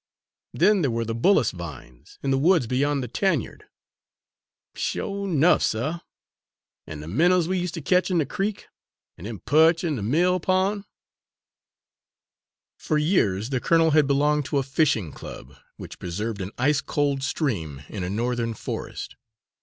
Then there were the bullace vines, in the woods beyond the tanyard!" "Sho' 'nuff, suh! an' de minnows we use' ter ketch in de creek, an' dem perch in de mill pon'?" For years the colonel had belonged to a fishing club, which preserved an ice cold stream in a Northern forest.